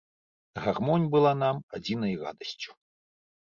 Гармонь была нам адзінай радасцю.